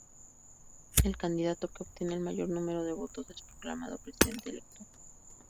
El candidato que obtiene el mayor número de votos es proclamado presidente electo.